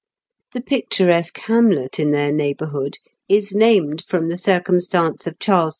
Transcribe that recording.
The picturesque hamlet in their neighbourhood is named from the circum stance of Charles II.